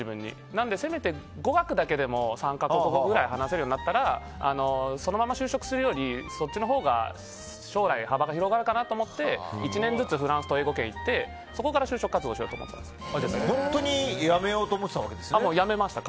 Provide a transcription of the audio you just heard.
なのでせめて語学だけでも３か国語ぐらい話せるようになったらそのまま就職するよりそっちのほうが将来幅が広がるかと思って１年ずつフランスと英語圏に行ってそこから就職活動を本当にやめようともう、やめました。